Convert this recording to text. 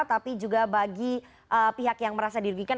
tapi juga bagi pihak yang merasa dirugikan